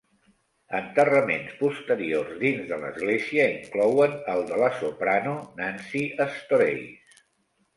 Enterraments posteriors dins de l'església inclouen el de la soprano Nancy Storace.